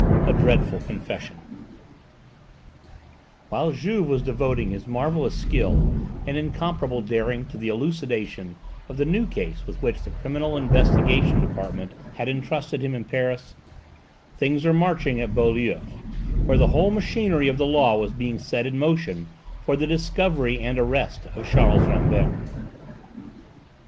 A DREADFUL CONFESSION While Juve was devoting his marvellous skill and incomparable daring to the elucidation of the new case with which the Criminal Investigation Department had entrusted him in Paris, things were marching at Beaulieu, where the whole machinery of the law was being set in motion for the discovery and arrest of Charles Rambert.